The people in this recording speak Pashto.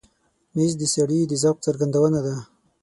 مېز د سړي د ذوق څرګندونه ده.